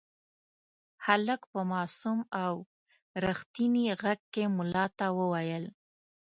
هلک په معصوم او رښتیني غږ کې ملا ته وویل.